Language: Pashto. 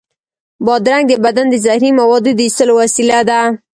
بادرنګ د بدن د زهري موادو د ایستلو وسیله ده.